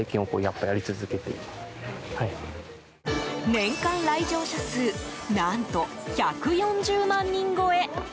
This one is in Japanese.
年間来場者数何と１４０万人超え。